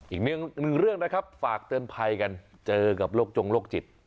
อีกหนึ่งเรื่องนะครับฝากเตือนภัยกันเจอกับโรคจงโรคจิต